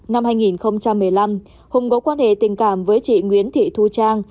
năm hai nghìn một mươi năm hùng có quan hệ tình cảm với chị nguyễn thị thu trang